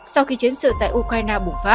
sau khi chiến sự tại ukraine